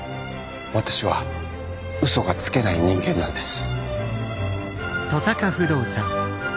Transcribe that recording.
私は嘘がつけない人間なんです。